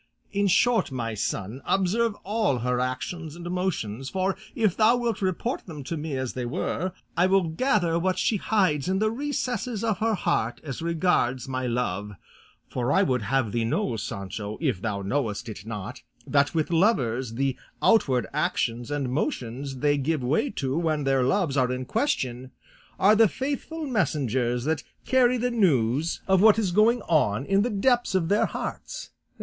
In short, my son, observe all her actions and motions, for if thou wilt report them to me as they were, I will gather what she hides in the recesses of her heart as regards my love; for I would have thee know, Sancho, if thou knowest it not, that with lovers the outward actions and motions they give way to when their loves are in question are the faithful messengers that carry the news of what is going on in the depths of their hearts.